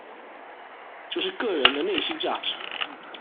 就是個人的內心價值